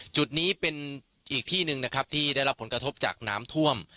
จุดนี้เป็นอีกที่หนึ่งนะครับที่ได้รับผลกระทบจากน้ำท่วม